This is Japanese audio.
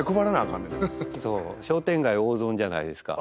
そう商店街大損じゃないですか。